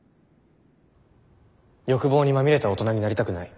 欲望にまみれた大人になりたくない。